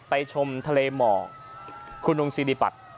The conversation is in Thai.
ไปชมทะเลหมอกคุณฮุงศิริบัตฯ